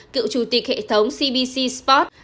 cựu chủ tịch hệ thống cbc sports